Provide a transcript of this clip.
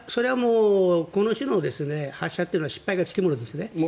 この種の発射というのは失敗がつきものですね。